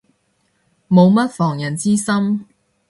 冇乜防人之心